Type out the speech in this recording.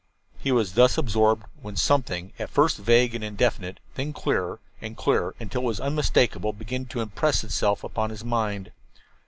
He was thus absorbed when something, at first vague and indefinite, then clearer and clearer until it was unmistakable, began to impress itself upon his mind.